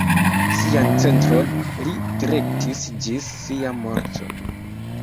Sian centron li direktis ĝis sia morto.